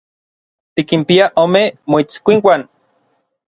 Tikinpia ome moitskuinuan.